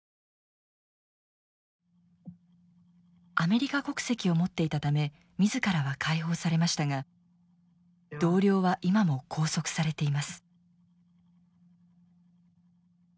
アメリカ国籍を持っていたため自らは解放されましたが同僚は今も拘束されています。